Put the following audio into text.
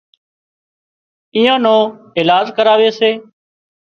ايئان نو ايلاز ڪراوي سي